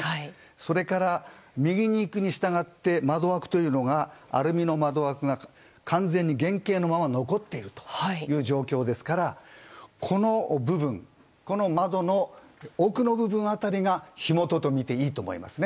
それから、右に行くにしたがって窓枠というのがアルミの窓枠が完全に原形のまま残っている状況ですからこの部分、窓の奥の部分辺りが火元とみていいと思いますね。